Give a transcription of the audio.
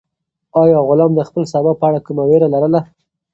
آیا غلام د خپل سبا په اړه کومه وېره لرله؟